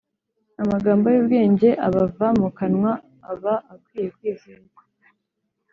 amagambo y’ubwenge abava mu kanwa, aba akwiye kwizerwa.